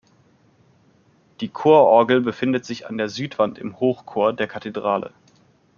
Die Chororgel befindet sich an der Südwand im Hochchor der Kathedrale.